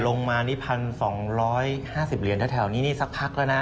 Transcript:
ลงมานี่๑๒๕๐เหรียญแถวนี้นี่สักพักแล้วนะ